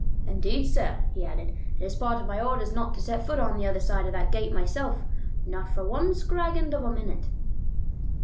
"Indeed, sir," he added, "it is part of my orders not to set foot on the other side of that gate myself, not for one scrag end of a minute."